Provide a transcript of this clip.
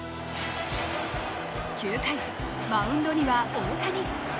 ９回、マウンドには大谷。